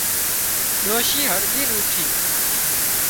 ڏوشي هڙۮينَ اوٺي